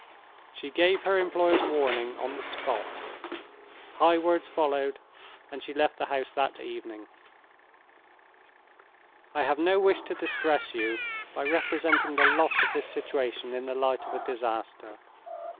She gave her employers warning on the spot. High words followed, and she left the house that evening. "I have no wish to distress you by representing the loss of this situation in the light of a disaster.